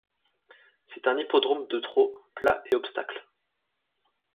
C’est un hippodrome de trot, plat et obstacle.